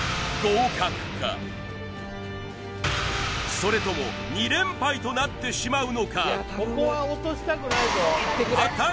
それとも２連敗となってしまうのか？